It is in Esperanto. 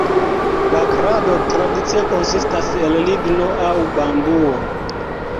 La krado tradicie konsistas el ligno aŭ bambuo.